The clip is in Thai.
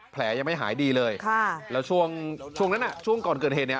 แผลยังไม่หายดีเลยค่ะแล้วช่วงช่วงนั้นอ่ะช่วงก่อนเกิดเหตุเนี่ย